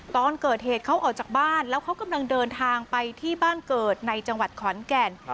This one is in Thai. ตอนเกิดเหตุเขาออกจากบ้านแล้วเขากำลังเดินทางไปที่บ้านเกิดในจังหวัดขอนแก่น